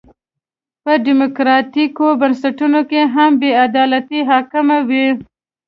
په ډیموکراټیکو بنسټونو کې هم بې عدالتي حاکمه وه.